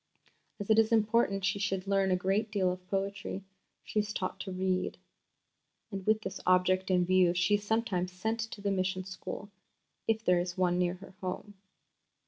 As it is important she should learn a great deal of poetry, she is taught to read (and with this object in view she is sometimes sent to the mission school, if there is one near her home).